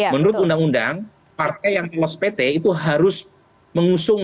menurut undang undang partai yang lolos pt itu harus mengusung